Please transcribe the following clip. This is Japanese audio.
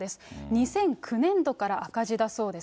２００９年度から赤字だそうです。